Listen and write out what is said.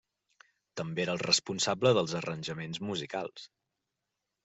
També era el responsable dels arranjaments musicals.